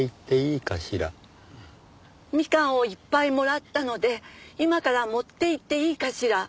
みかんをいっぱいもらったので今から持っていっていいかしら？